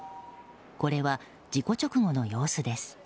これは事故直後の様子です。